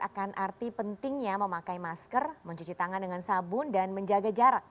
akan arti pentingnya memakai masker mencuci tangan dengan sabun dan menjaga jarak